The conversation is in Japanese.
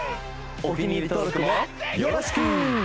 お気に入り登録もよろしく！